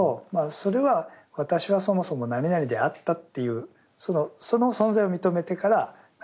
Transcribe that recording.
それは「私はそもそも何々であった」っていうその存在を認めてからなる。